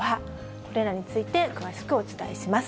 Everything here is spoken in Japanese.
これらについて詳しくお伝えします。